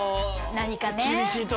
何かね。